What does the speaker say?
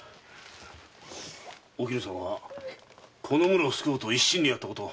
おきぬさんはこの村を救おうと一心でやったこと。